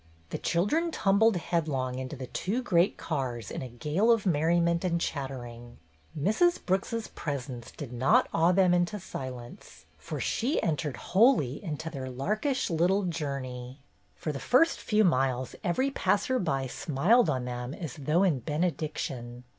The children tumbled headlong into the two great cars in a gale of merriment and chattering. Mrs. Brooks's presence did not awe them into silence, for she entered wholly into their larkish little journey. For the first few miles every passer by smiled on them as though in benediction.